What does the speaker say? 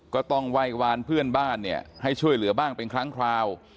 ก็ต้องไหว้วานเพื่อนบ้านเนี่ยให้ช่วยเหลือบ้างเป็นครั้งคราว